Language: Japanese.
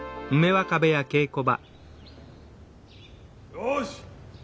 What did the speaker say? よし。